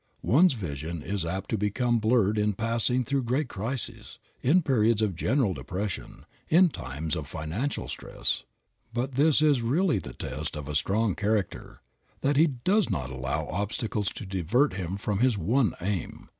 One's vision is apt to become blurred in passing through great crises, in periods of general depression, in times of financial stress, but this is really the test of a strong character, that he does not allow obstacles to divert him from his one aim.